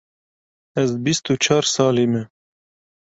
Ez bîst û çar salî me.